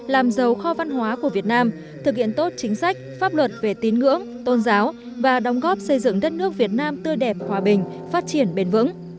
làm giàu kho văn hóa của việt nam thực hiện tốt chính sách pháp luật về tín ngưỡng tôn giáo và đóng góp xây dựng đất nước việt nam tươi đẹp hòa bình phát triển bền vững